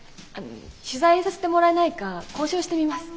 取材させてもらえないか交渉してみます。